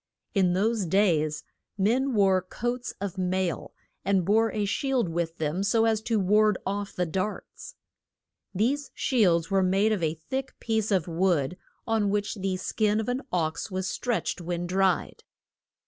In those days men wore coats of mail, and bore a shield with them so as to ward off the darts. These shields were made of a thick piece of wood, on which the skin of an ox was stretched when dried.